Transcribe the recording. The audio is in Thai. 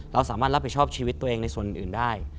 เราสามารถรับผิดชอบชีวิตตัวเองในส่วนอื่นได้